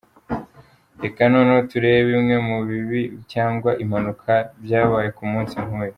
Reka noneho turebe bimwe mu bibi cyangwa impanuka byabaye ku munsi nk’uyu:.